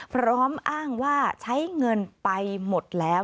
พร้อมอ้างว่าใช้เงินไปหมดแล้ว